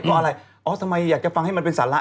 เพราะอะไรอ๋อทำไมอยากจะฟังให้มันเป็นสาระ